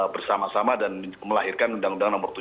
bersama sama dan melahirkan undang undang nomor tujuh